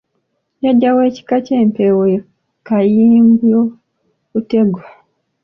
Jjajja w’ekika ky’empeewo ye Kayimbyobutego.